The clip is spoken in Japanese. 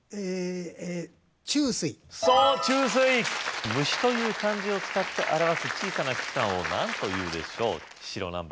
虫垂そう虫垂虫という漢字を使って表す小さな器官を何というでしょう白何番？